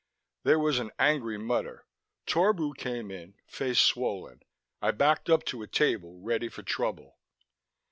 There was an angry mutter. Torbu came in, face swollen. I backed up to a table, ready for trouble.